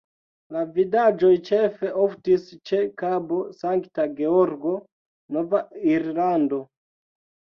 La vidaĵoj ĉefe oftis ĉe Kabo Sankta Georgo, Nova Irlando.